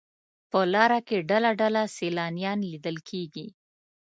په لاره کې ډله ډله سیلانیان لیدل کېږي.